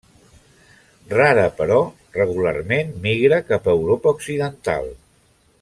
Rara però regularment migra cap a Europa Occidental.